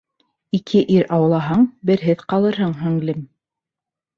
Ике ир аулаһаң, берһеҙ ҡалырһың, һеңлем!